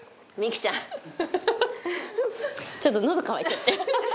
ちょっとのど渇いちゃって。